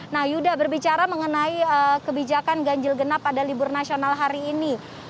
nah yuda berbicara mengenai kebijakan ganjil genap pada libur nasional hari ini